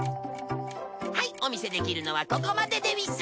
はいお見せできるのはここまででうぃす！